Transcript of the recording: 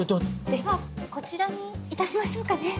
ではこちらに致しましょうかね。